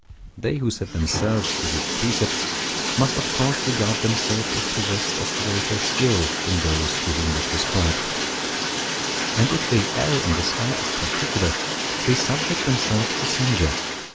They who set themselves to give precepts must of course regard themselves as possessed of greater skill than those to whom they prescribe; and if they err in the slightest particular, they subject themselves to censure.